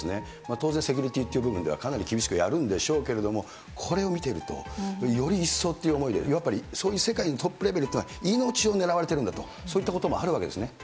当然、セキュリティーっていう部分ではかなり厳しくやるんでしょうけれども、これを見ていると、より一層っていう思いで、やっぱりそういう世界のトップレベルというのは、命を狙われてるんだと、そうですね。